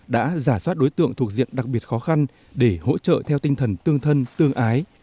đã giả soát đối tượng thuộc diện đặc biệt khó khăn để hỗ trợ theo tinh thần tương thân tương ái